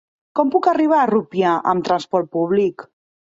Com puc arribar a Rupià amb trasport públic?